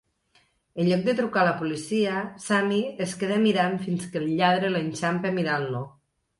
En lloc de trucar la policia, Sammy es queda mirant fins que el lladre l'enxampa mirant-lo.